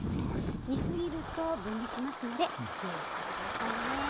煮過ぎると分離しますので注意して下さいね。